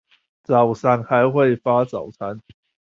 早上還會發早餐